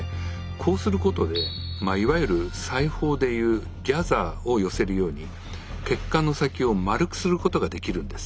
こうすることでまあいわゆる裁縫でいうギャザーを寄せるように血管の先を丸くすることができるんです。